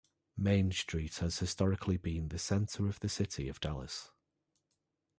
Main Street has historically been the center of the city of Dallas.